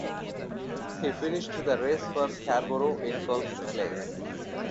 He finished the race for Scarborough in twelfth place.